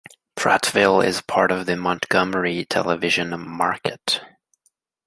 Prattville is part of the Montgomery television market.